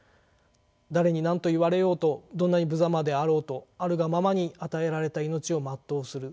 誰に何と言われようとどんなにぶざまであろうとあるがままに与えられた命を全うする。